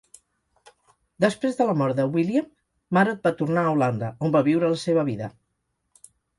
Després de la mort de William, Marot va tornar a Holanda, on va viure la seva vida.